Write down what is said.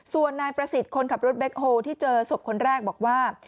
ส่วนนายประสิทธิ์คนขับรถแบ็คโฮที่เจอศพคนแรกบอกว่า